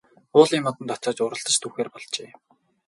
Уулын модонд очоод уралдаж түүхээр болжээ.